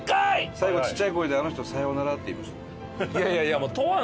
最後ちっちゃい声であの人「さようなら」って言いましたよ。